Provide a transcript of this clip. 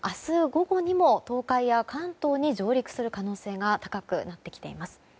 午後にも東海や関東に上陸する可能性が高くなってきています。